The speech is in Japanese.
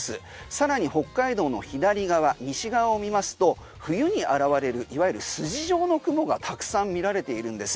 さらに北海道の左側に西側を見ますと冬に現れるいわゆる筋状の雲がたくさん見られているんです。